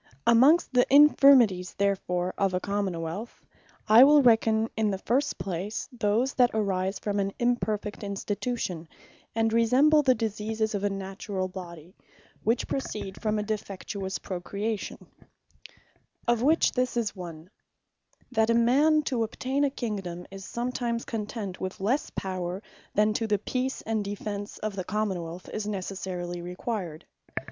Amongst the Infirmities therefore of a Common wealth, I will reckon in the first place, those that arise from an Imperfect Institution, and resemble the diseases of a naturall body, which proceed from a Defectuous Procreation. Want Of Absolute Power Of which, this is one, "That a man to obtain a Kingdome, is sometimes content with lesse Power, than to the Peace, and defence of the Common wealth is necessarily required."